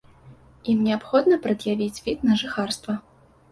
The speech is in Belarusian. Ім неабходна прад'явіць від на жыхарства.